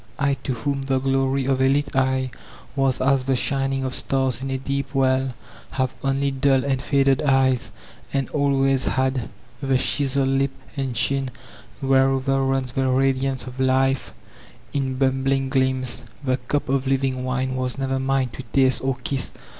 I, to whom the glory of a lit eye was as the shining of stars in a deep well, have only dun and faded eyes, and always had; the chiseled lip and chin whereover runs the radiance of life in bub* bling gleams, the cup of living wine was never mine to taste or kiss.